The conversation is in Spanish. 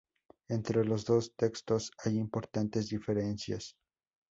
Entre los dos textos hay importantes diferencias.